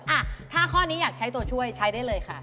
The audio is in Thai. อ่ะถ้าข้อนี้อยากใช้ตัวช่วยใช้ได้เลยค่ะ